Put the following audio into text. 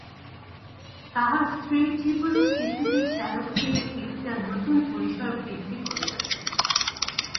তাহার স্ত্রীর জীবনে শিশু শ্যালকটি একটা নূতন পরিসর বৃদ্ধি করিয়াছে।